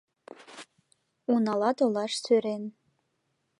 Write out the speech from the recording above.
«Унала толаш сӧрен